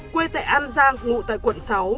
quê tại an giang ngụ tại quận sáu